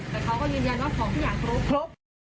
แต่เขาก็ยืนยันว่าของที่อยากพบพบ